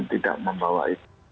tidak membawa itu